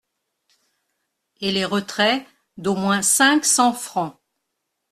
et les retraits, d'au moins cinq cents fr.